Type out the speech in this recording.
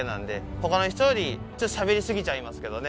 他の人よりちょっとしゃべりすぎちゃいますけどね。